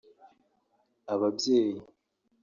ababyeyi